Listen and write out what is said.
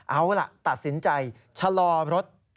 เอาล่ะตัดสินใจชะลอรถ